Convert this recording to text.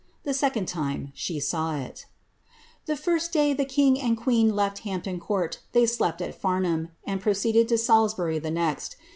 The second time, she saw it' The first day the king and queen left Hampton Court they slept at Farnham, and proceeded to Salisbury the next.